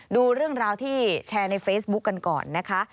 ดูเรื่องราวที่แชร์ในเฟซบุ๊คกันก่อนนะคะ